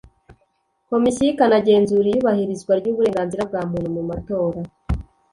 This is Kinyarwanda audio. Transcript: komisiyo ikanagenzura iyubahirizwa ry’uburenganzira bwa muntu mu matora